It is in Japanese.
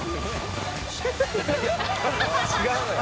「違うのよ。